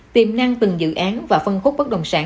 tìm năng từng dự án và phân khúc bất động sản